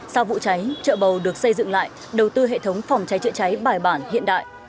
sau vụ cháy chợ bầu được xây dựng lại đầu tư hệ thống phòng cháy chữa cháy bài bản hiện đại